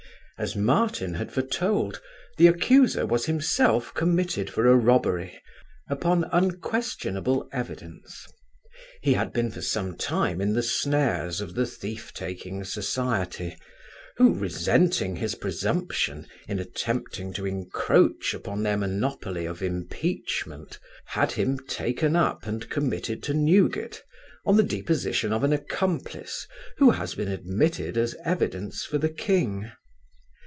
As Martin had foretold, the accuser was himself committed for a robbery, upon unquestionable evidence. He had been for some time in the snares of the thief taking society; who, resenting his presumption in attempting to incroach upon their monopoly of impeachment, had him taken up and committed to Newgate, on the deposition of an accomplice, who has been admitted as evidence for the king.